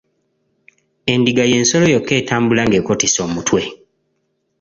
Endiga y'ensolo yokka etambula ng'ekotese omutwe.